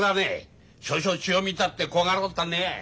少々血を見たって怖がるこたねえやい。